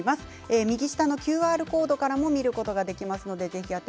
右下のＱＲコードからも見ることができます。